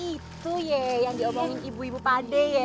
itu ye yang diomongin ibu ibu pade ye